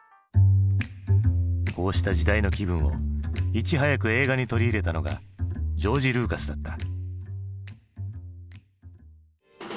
こうした時代の気分をいち早く映画に取り入れたのがジョージ・ルーカスだった。